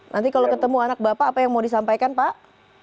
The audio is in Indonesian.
nanti kalau ketemu anak bapak apa yang mau disampaikan pak